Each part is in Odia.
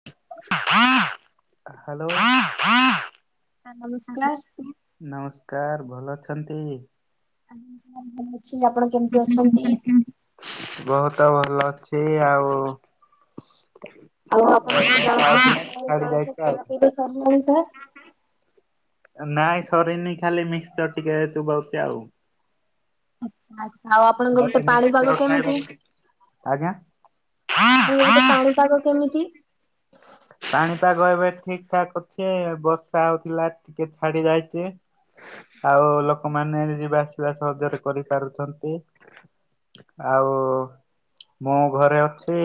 [inaudible] ସାର୍ ନମସ୍କାର। ନମସ୍କାର ଭଲ ଅଛନ୍ତି? ହଁ ଅଛି ଆପଣ [unintelligible] ଅଛନ୍ତି? [inaudible] ବହୁତ ଭଲ ଅଛି ଆଉ ଆଉ ଆପଣଙ୍କର ଜଳଖିଆ ସକାଳେ ଓଳି ଛାଡି ଜଳଖିଆ ଯାଇଛି ଆଉ ଖାଇବା ପିଇବା ସରିଲାଣି ତ? ନାଇଁ ସରିନି ଖାଲି ମିକ୍ସଚର ଟିକେ ଚୋବାଉଛି ଆଉ। ଆଚ୍ଛା ଆଛା ଆଉ ଆପଣଙ୍କ ଗୋଟେ ମତେ ପାଣିପାଗ ମିକ୍ସଚର କେମିତି? ଖାଇବାକୁ ଆଜ୍ଞା ଆପଣଙ୍କ ଗୋଟେ ପାଣିପାଗ କେମିତି? ପାଣିପାଗ ଏବେ ଠିକି ଠାକ ଅଛି ବର୍ଷା ହଉଥିଲା ଟିକେ ଛାଡି ଯାଇଚି। ଆଉ ଲୋକମାନେ ଯିବା ଆସିବା ସହଜରେ କରିପାରୁଛନ୍ତି। ଆଉ ମୋ ଘରେ ଅଛି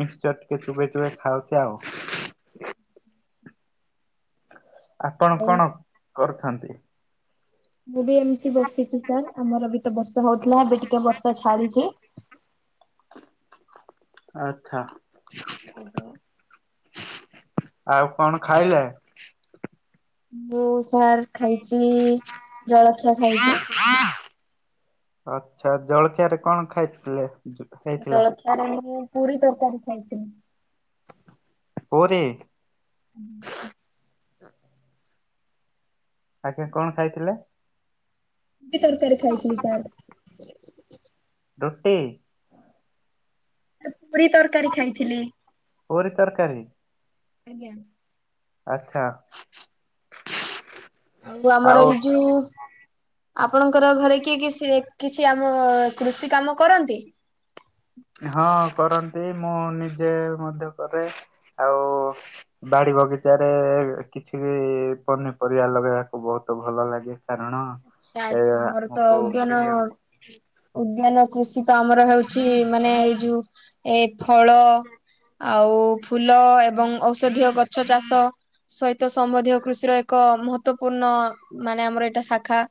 ମିକ୍ସଚର ଟିକେ ଚୋବେଇ ଚୋବେଇ ଖାଉଛି ଆଉ। ଆପଣ ଆଉ କଣ କରୁଛନ୍ତି? ମୁଁ ବି ଏମିତି ବସିଛି ସାର୍ ଆମର ବି ତ ବର୍ଷା ହଉଥିଲା ଏବେ ଟିକେ ବର୍ଷା ଛାଡିଚି। ଆଚ୍ଛା। ଆଜ୍ଞା। ଆଉ କଣ ଖାଇଲେ? ମୁଁ ସାର୍ ଖାଇଚି ଜଳଖିଆ ଖାଇଚି। ଆଚ୍ଛା ଜଳଖିଆରେ କଣ ଖାଇଥିଲେ? ହେଇଥିଲା? ଜଳଖିଆ ରେ ମୁଁ ପୁରୀ ତରକାରୀ ଖାଇଥିଲି। ପୁରୀ। ଆଗେ କଣ ଖାଇଥିଲେ? କି ତରକାରୀ ଖାଇଥିଲୁ ସାର୍? ରୁଟି। ଏ ପୁରୀ ତରକାରୀ ଖାଇଥିଲି? ପୁରୀ ତରକାରୀ। ଆଜ୍ଞା। ଆଚ୍ଛା। ଆଉ ଆମର ଏଇ ଯୋଉ ଆପଣଙ୍କର ଘରେ କିଏ କିଏ ସିଏ କିଛି ଆମ କୃଷି କାମ କରନ୍ତି? ହଁ କରନ୍ତି ମୁଁ ନିଜେ ମଧ୍ୟ କରେ ଆଉ ବାଡ଼ି ବଗିଚାରେ କିଛି ପନିପରିବା ଲଗେଇବାକୁ ବହୁତୁ ଭଲ ଲାଗେ, କାରଣ ଏ ସାଏଚ ଆମର ତ ଆମକୁ ଅଜ୍ଞାନ କିଣିବାକୁ [unintelligible] ଉଦ୍ୟାନ କୃଷି ତ ଆମର ହେଉଛି, ମାନେ ଏଇ ଯୋଉ ଏ ଫଳ ଆଉ ଫୁଲ ଏବଂ ଔଷଧୀୟ ଗଛ ଚାଷ। ସହିତ ସମ୍ବନ୍ଧୀୟ କୃଷିର ଏକ ମହତ୍ଵପୂର୍ଣ୍ଣ ମାନେ ଆମର ଏଇଟା ଶାଖା।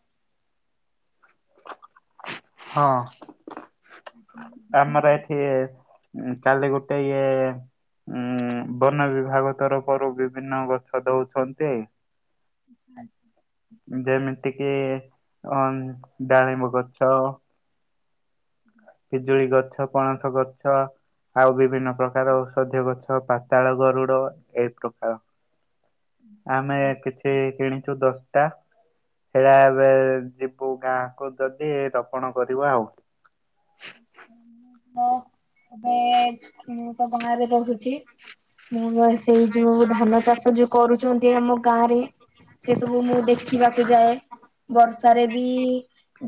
ହଁ, ଆମର ଏ ଇଏ କାଲି ଗୋଟେ ଇଏ ଉଁ, ବନ ବିଭାଗ ତରଫରୁ ବିଭିନ୍ନ ଗଛ ଦଉଛନ୍ତି। [unintelligible] ଯେମିତି କିି ଅ ଡାଳିମ୍ବ ଗଛ। ପିଜୁଳି ଗଛ, ପଣସ ଗଛ। ଆଉ ବିଭିନ୍ନ ପ୍ରକାର ଔଷଧୀୟ ଗଛ ପାତାଳଗରୁଡ଼ ଏହିପ୍ରକାର। ଆମେ କିଛି କିଣିଚୁତ ଦଶ ଟା, ସେରା ଏବେ ଯିବୁ ଗାଁ କୁ ଯଦି ଦପଣ କରିବୁ ଆଉ। ହୁଁ, ହଁ, ଏବେ ମୁଁ ତ ବାହାରେ ରହୁଛି। ମୁଁ ବା, ସେଇ ଯୋଉ ଧାନ ଚାଷ ଯୋଉ କରୁଛନ୍ତି ଆମ ଗାଁ ରେ। ସେ ସବୁ ମୁଁ ଦେଖିବାକୁ ଯାଏ। ବର୍ଷାରେ ବି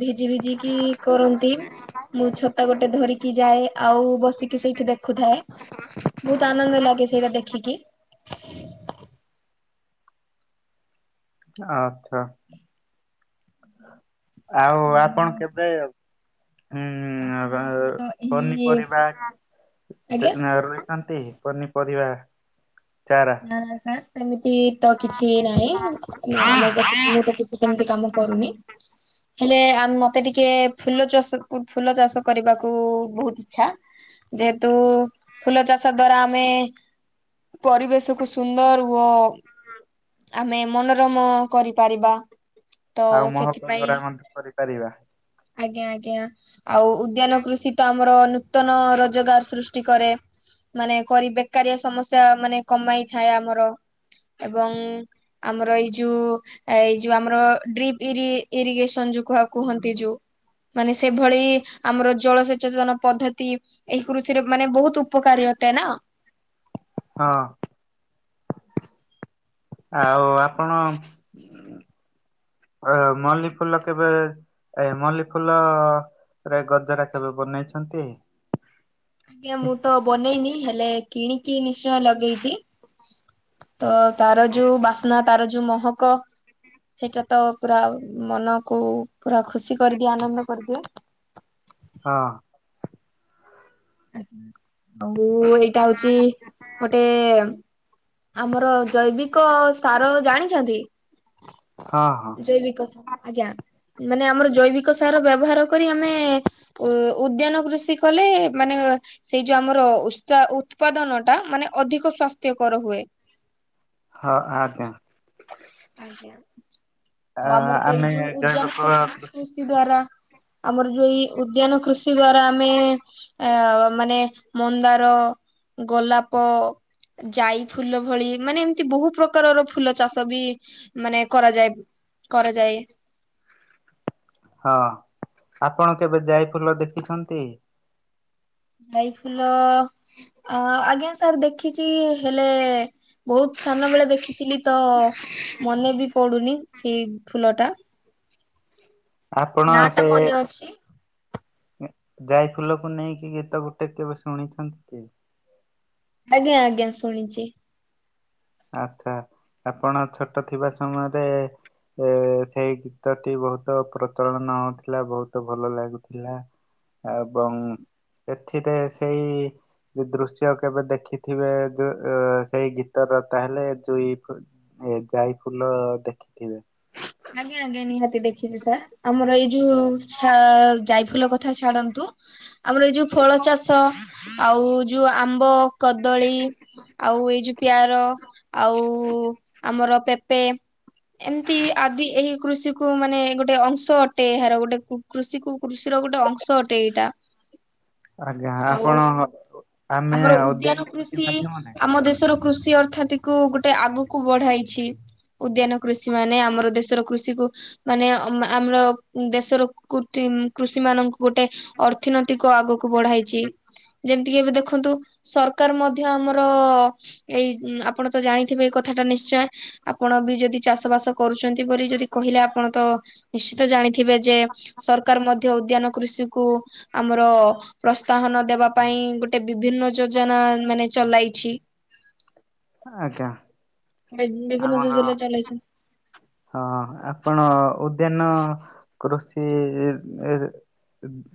ଭିଜି ଭିଜିକି କରନ୍ତି। ମୁଁ ଛତା ଗୋଟେ ଧରିକି ଯାଏ। ଆଉ ବସିକି ସେଇଠି ଦେଖୁଥାଏ, ବହୁତ ଆନନ୍ଦ ଲାଗେ ସେଇଟା ଦେଖିକି। ଆଛା। ଆଉ ଆମର ଆପଣ କେବେ ଚାଷୀ ମାନଙ୍କର ହୁଁ ତ ଏହି ପନିପରିବା ଆଜ୍ଞା। ନାଁ, ରୋଇଛନ୍ତି ପନିପରିବା ଚାରା। ନାଁ ସାର୍, ସେମିତି ତ କିଛି ନାହିଁ, ଆମେତ, ମୁଁ ତ କିଛି ସେମିତି କାମ କରୁନି, ହେଲେ ଆ ମତେ ଟିକେ ଫୁଲ ଚାଷ କୁ ଫୁଲ ଚାଷ କରିବାକୁ ବହୁତ ଇଚ୍ଛା। ଯେହେତୁ ଫୁଲ ଚାଷ ଦ୍ଵାରା ଆମେ ପରିବେଶ ତୁକୁ ସୁନ୍ଦର ହୁଅ। ହଁଁ। ଆମେ ମନୋରମ କରିପାରିବା। ତ ଆଉ ମହକ ସେଥିପାଇଁ ଧରା ମଧ୍ୟ କରିପାରିବା। ଆଜ୍ଞା ଆଜ୍ଞା ଆଉ ଉଦ୍ୟାନ କୃଷି ତ ଆମର ନୁ ନୂତନ ରୋଜଗାର ସୃଷ୍ଟି କରେ, ମାନେ କରି ବେକାରିଆ ସମସ୍ୟା ମାନେ କମାଇ ଥାଏ ଆମର, ଏବଂ ଆମର ଏଇ ଯୁ ଏଇ ଯୋଉ ଆମର ଡ୍ରିପ୍ ଇରି ଇରିଗେସନ ଯୋଉ କୁହା କୁହନ୍ତି ଯୁ ମାନେ ସେଭଳି ଆମର ଜଳସଚେତନ ପଦ୍ଧତି ଏଇ କୃଷିରେ ମାନେ ବହୁତୁ ଉପକାରୀ ଅଟେ ନା? ହଁ। ଆଉ ଆପଣ ଅ ମଲ୍ଲି ଫୁଲ କେବେ? ଏ ମଲ୍ଲୀ ଫୁଲ ରେ ଗଜର କେବେ ବନେଇଛନ୍ତି? ଆଜ୍ଞା ମୁଁ ତ ବନେଇନି ହେଲେ କିଣିକି ନିଶ୍ଚୟ ଲଗେଇଛି। ତ ତାର ହଁ ଯୋଉ ବାସ୍ନା ତାର ଯୋଉ ମହକ। ସେଇଟା ତ ପୁରା ମନକୁ ପୁରା ଖୁସି କରିଦିଏ, ଆନନ୍ଦ କରିଦିଏ। ହଁ। ଆଉ ଏଇଟା ହଉଛି ଗୋଟେ ଆମର ଜୈବିକ ସାର ଜାଣିଛନ୍ତି? ହଁ ହଁ। ଜୈବିକ ସା ଆଜ୍ଞା, ମାନେ ଆମର ଜୈବିକ ସାର ବ୍ୟବହାର କରି ଆମେ ଉ ଉଦ୍ୟାନ କୃଷି କଲେ ମାନେ ସେଇ ଯୋଉ ଆମର ଉତ୍ସ ଉତ୍ପାଦନ ଟା ମାନେ ଅଧିକ ସ୍ଵାସ୍ଥ୍ୟକର ହୁଏ। ହଁ ଆଜ୍ଞା। ଆଜ୍ଞା ଆ, ଆଉ ଆମର ତ ଏଇ ଆମେ ଯୋଉ ଉଦ୍ୟାନ ଜୈବିକ କୃଷି କୃ? କି ଦ୍ଵାରା ଆମର ଯୋଉ ଉଦ୍ୟାନ କୃଷି ଦ୍ଵାରା ଆମେ ଅ ମାନେ? ମନ୍ଦାର ଗୋଲାପ ଯାଇ ଫୁଲ ଭଳି ମାନେ ଏମିତି ବହୁ ପ୍ରକାରର ଫୁଲ ଚାଷ ଵି ମାନେ କରାଯାଏ କରାଯାଏ। ହଁ ଆପଣ କେବେ ଯାଇ ଫୁଲ ଦେଖିଛନ୍ତି? ଯାଇ ଫୁଲ ଅ, ଆଜ୍ଞା ସାର୍ ଦେଖିଛି ହେଲେ ବହୁତ ସାନ ବେଳେ ଦେଖିଥିଲି ତ ମନେ ବି ପଡୁନି ସେଇ ଫୁଲ ଟା। ଆପଣ ନା ଟା ସେ ମନେ ଅଛି। ଏଁ, ଯାଇ ଫୁଲକୁ ନେଇକି ଗୀତ ଗୋଟେ କେବେ ଶୁଣିଛନ୍ତି କି? ଆଜ୍ଞା ଆଜ୍ଞା ଶୁଣିଛି। ଆଚ୍ଛା ଆପଣ ଛୋଟ ଥିବା ସମୟରେ ଏ, ସେଇ ଗୀତ ଟି ବହୁତ ପ୍ରଚଳନ ହଉଥିଲା, ବହୁତ ଭଲ ଲାଗୁଥିଲା। ହ [inaudible] ଏବଂ ସେଥିରେ ସେଇ ଯେ ଦୃଶ୍ୟ କେବେ ଦେଖିଥିବେ ଯୋ ଅ, ସେହି ଗୀତର ତାହେଲେ ଯୁଇ କ-ଏ ଯାଇ ଫୁଲ ଦେଖିଥିବେ। ଆଜ୍ଞା, ଆଜ୍ଞା ନିହାତି ଦେଖିଛି ସାର୍ ଆମର ଏଇ ଯୋଉ ଛା- ଜାଇଫୁଲ କଥା ଛାଡନ୍ତୁ। ଆମର ଏଇ ଯୋଉ ଫଳ ଚାଷ ଆଉ ଯୋଉ ଆମ୍ବ, କଦଳୀ। ଆଉ ଏଇ ଯୋଉ ପିଆର ଆଉ ଆମର ପେପେ ଏମିତି ଆଦି ଏହି କୃଷିକୁ ମାନେ ଗୋଟେ ଅଂଶ ଅଟେ, ଏହାର ଗୋଟେ କୁ-କୃଷିକୁ କୃଷିର ଗୋଟେ ଅଂଶ ଅଟେ ଏଇଟା। ହ ଆଜ୍ଞା [inaudible] ଆଉ ଆପଣ ଆମର ଉଦ୍ୟାନ କୃଷି ଆମ ଦେଶର କୃଷି ଅର୍ଥତିକୁୁ ଗୋଟେ ଆଗକୁ ବଢାଇଛି, ଉଦ୍ୟାନ କୃଷି ମାନେ ଆମର ଦେଶର କୃଷିକୁ ମାନେ ଅମ ଆମର ଦେଶର କୃତି ଉଁ, କୃଷି ମାନଙ୍କୁ ଗୋଟେ ଅର୍ଥନୀତିକୁ ଆଗକୁ ବଢାଇଛି। ଯେମିତିକି ଏବେ ଦେଖନ୍ତୁ ସରକାର ମଧ୍ୟ ଆମର ଏଇ ଉଁ, ଆପଣ ତ ଜାଣିଥିବେ ଏଇ କଥା ଟା ନିଶ୍ଚୟ, ଆପଣ ବି ଯଦି ଚାଷ ବାସ କରୁଛନ୍ତି ସେପରି ଯଦି କହିଲେ ଆପଣ ତ ନିଶ୍ଚିତ ଜାଣିଥିବେ ଯେ ସରକାର ମଧ୍ୟ ଉଦ୍ୟାନ କୃଷି କୁ ଆମର ପ୍ରୋସ୍ତାହନ ଦେବା ପାଇଁ ଗୋଟେ ବିଭିନ୍ନ ଯୋଜନା ମାନେ ଚଲାଇଛି। ଆଜ୍ଞା ବି- ବିଭିନ୍ନ ଆମର ଯୋଜନା ଚଳେଇଛି। ହଁ ଆପଣ ଉଦ୍ୟାନ କୃଷି ଏହେ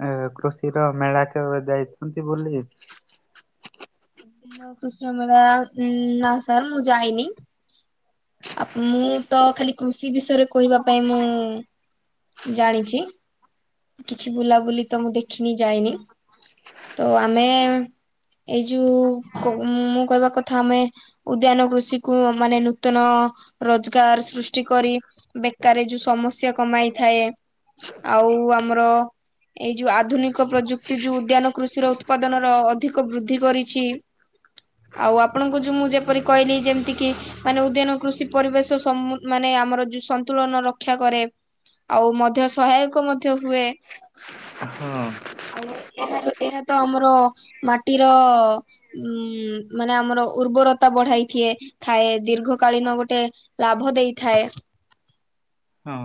ଏ କୃଷିର ମେଳା କେବେ ଯାଇଛନ୍ତି ବୁଲି? ନ-କୃଷ୍ଣ ମେଳା ଉଁ, ନା ସାର୍ ମୁଁ ଯାାଇନି। ଆପ ମୁଁ ତ ଖାଲି କୃଷି ବିଷୟରେ କହିବା ପାଇଁ ମୁଁ ଜାଣିଛି। କିଛି ବୁଲାବୁଲି ତ ମୁଁ ଦେଖିନି ଯାଇନି, ତ ଆମେ ଏଇ ଯୋଉ କୋ- ମୁଁ କହିବା କଥା ଆମେ ଉଦ୍ୟାନ କୃଷିକୁ ମାନେ ନୂତନ ରୋଜଗାର ସୃଷ୍ଟି କରି ବେକାରେ ଯୋଉ ସମସ୍ୟା କମାଇଥାଏ, ଆଉ ଆମର ଏଇ ଯୋଉ ଆଧୁନିକ ପ୍ରଯୁକ୍ତି ଯୋଉ ଉଦ୍ୟାନ କୃଷିର ଉତ୍ପାଦନର ଅଧିକ ବୃଦ୍ଧି କରିଛି। ଆଉ ଆପଣଙ୍କୁ ଯୋଉ ମୁଁ ଯେପରି କହିଲି ଯେମିତି କି ମାନେ ଉଦ୍ୟାନ କୃଷି ପରିବେଶ ସମୁ ମାନେ ଆମର ଯୁ ସନ୍ତୁଳନ ରକ୍ଷା କରେ। ଆଉ ମଧ୍ୟ ସହାୟକ ମଧ୍ୟ ହୁଏ, ହଁ ଆଉ ଓ ଏହାର ଏହା ତ ଆମର ମାଟିର ଉଁ, ମାନେ ଆମର ଉର୍ବରତା ବଢାଇଥିଏ। ଥାଏ, ଦୀର୍ଘ କାଳୀନ ଗୋଟେ ଲାଭ ଦେଇଥାଏ। ହଁ।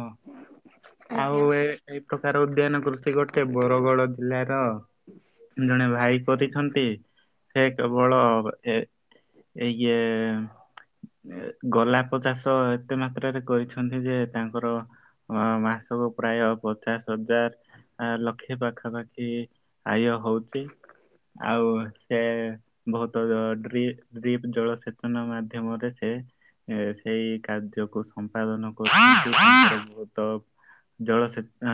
ଆଉ ଆଜ୍ଞା। ଏ ଏଇ ପ୍ରକାର ଉଦ୍ୟାନ କୃଷି ଗୋଟେ ବରଗଡ଼ ଜିଲ୍ଲାର ଜଣେ ଭାଇ କରିଛନ୍ତି, ସେ କେବଳ ଏ ଏଇ ଇଏ ଗୋଲାପ ଚାଷ ଏତେ ମାତ୍ରାରେ କରିଛନ୍ତି ଯେ ତାଙ୍କର ହଁ ମାସକୁ ପ୍ରାୟ ପଚାଶ ହଜାର, ଲକ୍ଷେ ପାଖାପାଖି ଆୟ ହଉଛି। ଆଉ ସେ ବହୁତ ଡ୍ରି-ଡ୍ରିପ ଜଳସେଚନ ମାଧ୍ୟମରେ ସେ ଏ ସେଇ କାର୍ଯ୍ୟକୁ ସମ୍ପାଦନ କରୁଚି ବହୁତ ଜଳସେଚ ଆ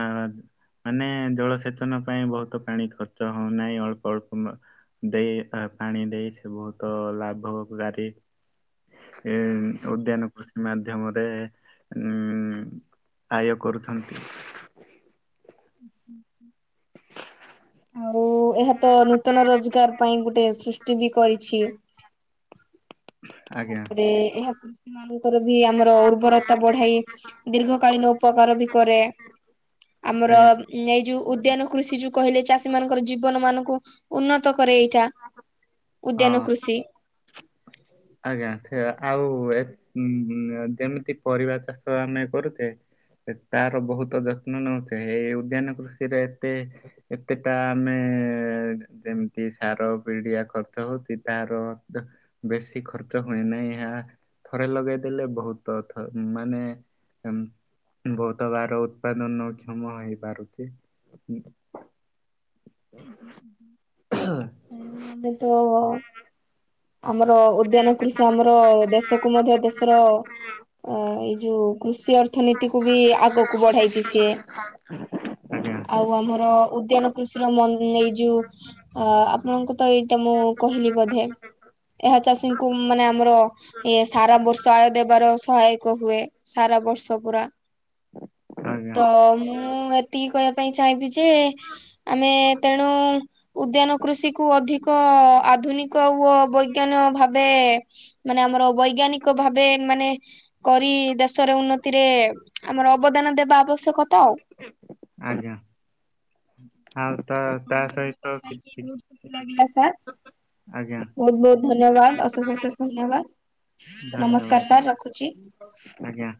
ମାନେ ଜଳ ସେଚନ ପାଇଁ ବହୁତ ପାଣି ଖର୍ଚ୍ଚ ହଉନାହିଁ, ଅଳ୍ପ ଅଳ୍ପ ଦେଇ, ପାଣି ଦେଇ, ସେ ବହୁତ ଲାଭ ଗାରି। ଏ ଉଦ୍ୟାନ କୃଷି ମାଧ୍ୟମରେ ଉଁ ଆୟ କରୁଥାନ୍ତି। ଆଉ ଏହା ତ ନୂତନ ରୋଜଗାର ପାଇଁ ଗୋଟେ ସୃଷ୍ଟି ବି କରିଛି। ଆଜ୍ଞା ତାପରେ ଏହା କୃଷିମାନଙ୍କର ବି ଆମର ଉର୍ବରତା ବଢାଏ। ଦୀର୍ଘକାଳୀନ ଉପକାର ବି କରେ। ଆମର ଆଜ୍ଞା ଏଇ ଯୋଉ ଉଦ୍ୟାନ କୃଷି ଯୋଉ କହିଲେ ଚାଷୀ ମାନଙ୍କର ଜୀବନ ମାନଙ୍କୁ ଉନ୍ନତ କରେ, ଏଇଟା ହଁ ଉଦ୍ୟାନ କୃଷି। ଆଜ୍ଞା ସେ ଆଉ ଏଇ ଉଁ-ଉଁ ଯେମିତି ପରିବା ଚାଷ ଆମେ କରୁଛେ। ତାର ବହୁତ ଯତ୍ନ ନେଉଛେ। ଏଇ ଉଦ୍ୟାନ କୃଷି ରେ ଏତେ ଏତେଟା ଆମେ ଯେମିତି ସାର ପିଡ଼ିଆ ଖର୍ଚ୍ଚ ହଉଛି ତାର ବେଶୀ ଖର୍ଚ୍ଚ ହୁଏ ନାହିଁ। ଏହା ଥରେ ଲଗେଇ ଦେଲେ ବହୁତ ମାନେ ଊମ୍ ବହୁତ ବାର ଉତ୍ପାଦନ କ୍ଷମ ହେଇପାରୁଚି। [inaudible] ଏବେ ମାନେ ତ ଆମର ଉଦ୍ୟାନ କୃଷି ସେ ଆମର ଦେଶକୁ ମଧ୍ୟ ଦେଶର ଅ ଏଇ ଯୋଉ କୃଷି ଅର୍ଥନୀତିକୁୁ ବି ଆଗକୁ କୁ ବଢାଇଛି ସିଏ। ଆଜ୍ଞା ଆଉ ଆମର ଉଦ୍ୟାନ କୃଷିର [unintelligible] ଯୋଉ ଆପଣଙ୍କୁ ତ ଏଇଟା ମୁଁ କହିଲି ବୋଧେ। ଏହା ଚାଷୀଙ୍କୁ ମାନେ ଆମର ଇଏ ସାରା ବର୍ଷ ଆୟ ଦେବାର ସହାୟକ ହୁଏ। ସାରା ବର୍ଷ ପୁରା। ଆଜ୍ଞା ତ ମୁଁ ଏତିକି କହିବା ପାଇଁ ଚାହିଁବି ଯେ ଆମେ ତେଣୁ ଉଦ୍ୟାନ କୃଷିକୁ ଅଧିକ ଆଧୁନିକ ବୈଜ୍ଞାନ ଭାବେ, ମାନେ ଆମର ବୈଜ୍ଞାନିକ ଭାବେ ମାନେ କରି ଦେଶରେ ଉନ୍ନତିରେ ଆମର ଅବଦାନ ଦେବା ଆବଶ୍ୟକତା। ଆଉ। ଆଜ୍ଞା। ଆଉ ତା ତା ତମ ସହିତ କଥା ହେଇକି କିଛି ବହୁତ ଖୁସି ଲାଗିଲା, ସାର୍। ଆଜ୍ଞା ବହୁତ ବହୁତ ଧନ୍ୟବାଦ୍। ଅଶେଷ ଅଶେଷ ଧନ୍ୟବାଦ୍। ନମସ୍କାର ଧନ୍ୟବାଦ ସାର୍। ରଖୁଚି। ଆଜ୍ଞା।